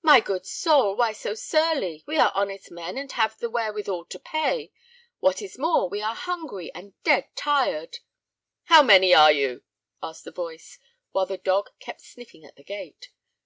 "My good soul, why so surly? We are honest men and have the wherewithal to pay. What is more, we are hungry and dead tired." "How many are you?" asked the voice, while the dog kept sniffing at the gate.